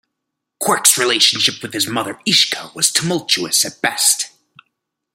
Quark's relationship with his mother Ishka was tumultuous at best.